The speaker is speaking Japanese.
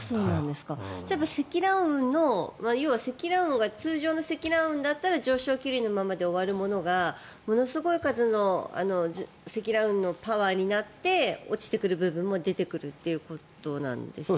じゃあ、積乱雲が通常の積乱雲だったら上昇気流のままで終わるものがものすごい数の積乱雲のパワーになって落ちてくる部分も出てくるということなんですか？